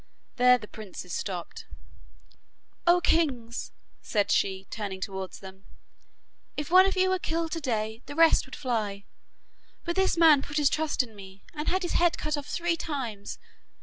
There the princes stopped. 'O kings!' she said, turning towards them, 'if one of you were killed to day, the rest would fly; but this man put his trust in me, and had his head cut off three times.